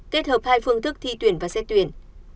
kết hợp hai phương thức thi tuyển và xét tuyển